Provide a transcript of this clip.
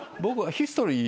ヒストリー。